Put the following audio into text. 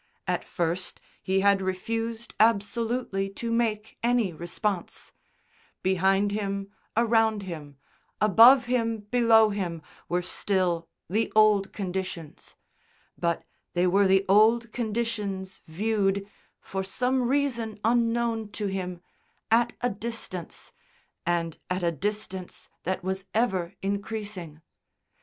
At first he had refused absolutely to make any response; behind him, around him, above him, below him, were still the old conditions; but they were the old conditions viewed, for some reason unknown to him, at a distance, and at a distance that was ever increasing.